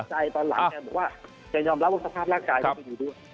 ก็เผชิญใจตอนหลังแกบอกว่าจะยอมรับว่าสภาพร่างกายร